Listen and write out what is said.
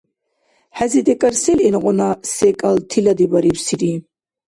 ХӀези-декӀар сен илгъуна секӀал тиладибарибсири?